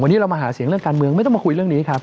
วันนี้เรามาหาเสียงเรื่องการเมืองไม่ต้องมาคุยเรื่องนี้ครับ